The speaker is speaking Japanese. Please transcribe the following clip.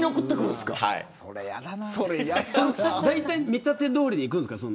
だいたい見立てどおりにいくんですか。